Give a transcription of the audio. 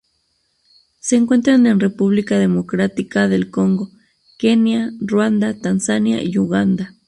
Se encuentran en República Democrática del Congo, Kenia, Ruanda, Tanzania y Uganda.